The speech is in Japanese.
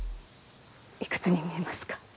いくつに見えますか？